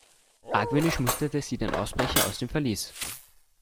Argwöhnisch musterte sie den Ausbrecher aus dem Verlies.